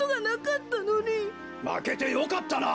まけてよかったな。